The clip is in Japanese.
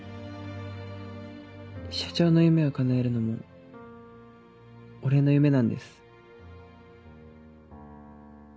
社長の夢を叶えるのも俺の夢なんです。